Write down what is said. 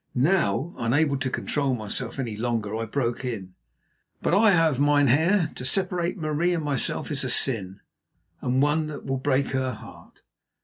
Now unable to control myself any longer I broke in: "But I have, mynheer. To separate Marie and myself is a sin, and one that will break her heart.